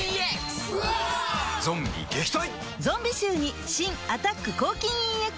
ゾンビ臭に新「アタック抗菌ＥＸ」